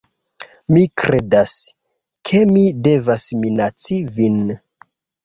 Mi kredas, ke mi devas minaci vin